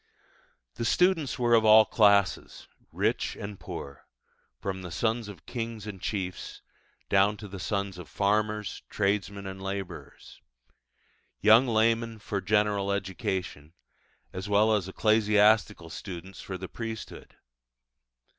The students were of all classes rich and poor from the sons of kings and chiefs down to the sons of farmers, tradesmen, and labourers; young laymen for general education, as well as ecclesiastical students for the priesthood.